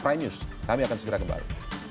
prime news kami akan segera kembali